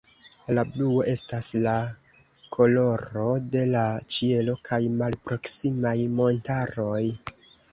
La bluo estas la koloro de la ĉielo kaj malproksimaj montaroj.